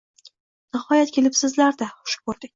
Nihoyat, kelibsizlar-da… Xush ko`rdik